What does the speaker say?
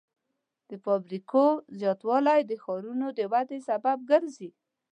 د فابریکو زیاتوالی د ښارونو د ودې سبب ګرځي.